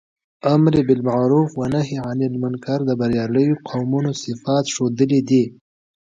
امر باالمعروف او نهي عنالمنکر د برياليو قومونو صفات ښودلي دي.